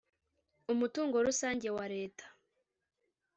Umutungo rusange wa Leta.